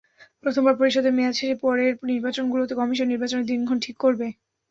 প্রথমবার পরিষদের মেয়াদ শেষে পরের নির্বাচনগুলোতে কমিশন নির্বাচনের দিনক্ষণ ঠিক করবে।